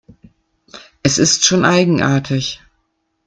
Es ist schon eigenartig.